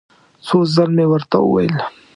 څو ځل مې ورته وویل.